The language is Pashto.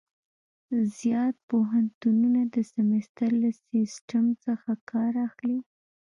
زیات پوهنتونونه د سمستر له سیسټم څخه کار اخلي.